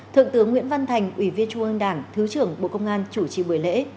thượng tướng nguyễn văn thành ủy viên trung ương đảng thứ trưởng bộ công an chủ trì buổi lễ